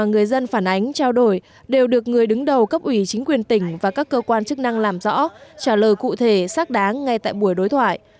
người dân phản ánh trao đổi đều được người đứng đầu cấp ủy chính quyền tỉnh và các cơ quan chức năng làm rõ trả lời cụ thể xác đáng ngay tại buổi đối thoại